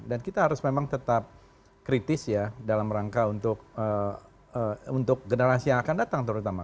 dan kita harus memang tetap kritis ya dalam rangka untuk generasi yang akan datang terutama